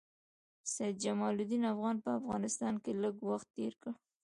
سید جمال الدین افغاني په افغانستان کې لږ وخت تېر کړی.